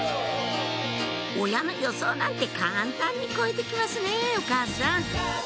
親の予想なんて簡単に超えて来ますねお母さん